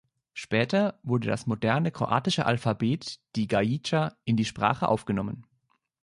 Später wurde das moderne kroatische Alphabet, die „Gajica“, in die Sprache aufgenommen.